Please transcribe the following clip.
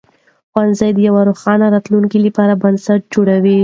ښوونځي د یوې روښانه راتلونکې لپاره بنسټ جوړوي.